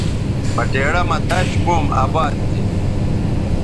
بٹیڑہ مہ دش قوم اباد تھے